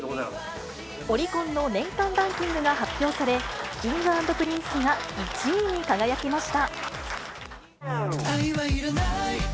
オリコンの年間ランキングが発表され、Ｋｉｎｇ＆Ｐｒｉｎｃｅが１位に輝きました。